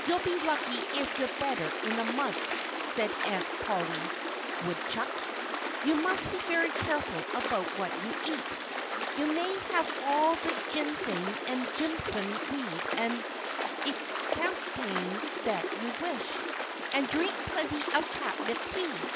"You'll be lucky if you're better in a month," said Aunt Polly Woodchuck. "You must be very careful about what you eat. You may have all the ginseng and Jimson weed and elecampane that you wish. And drink plenty of catnip tea!